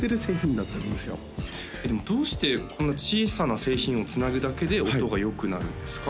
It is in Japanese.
どうしてこんな小さな製品をつなぐだけで音が良くなるんですか？